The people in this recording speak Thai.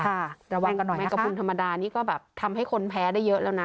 ระวังกันหน่อยแมงกระพุนธรรมดานี่ก็แบบทำให้คนแพ้ได้เยอะแล้วนะ